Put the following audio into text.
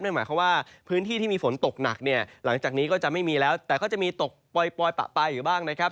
หมายความว่าพื้นที่ที่มีฝนตกหนักเนี่ยหลังจากนี้ก็จะไม่มีแล้วแต่ก็จะมีตกปล่อยปะปลายอยู่บ้างนะครับ